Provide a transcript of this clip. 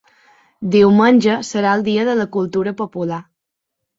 Diumenge serà el dia de la cultura popular.